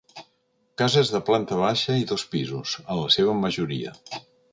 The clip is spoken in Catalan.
Cases de planta baixa i dos pisos, en la seva majoria.